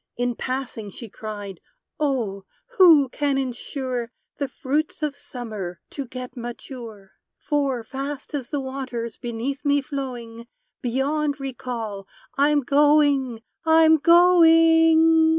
In passing she cried, "Oh! who can insure The fruits of Summer to get mature? For, fast as the waters beneath me flowing, Beyond recall, I'm going! I'm going!"